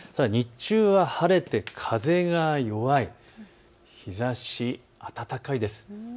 日中は晴れて風が弱い、日ざし、暖かいです。